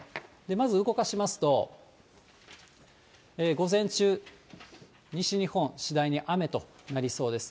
まず動かしますと、午前中、西日本、次第に雨となりそうです。